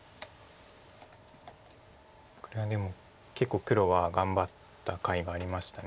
これはでも結構黒は頑張ったかいがありました。